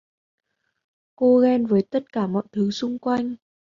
Cô ghen với tất cả mọi thứ xung quanh